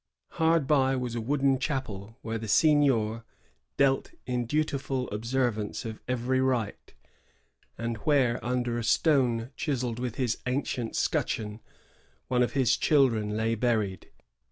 Hard by was a wooden chapel, where the seignior knelt in dutiful observance of every rite, and where, under a stone chiselled with his ancient scutcheon, one of his children lay buried.